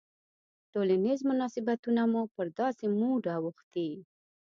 ټولنیز مناسبتونه مو پر داسې موډ اوښتي.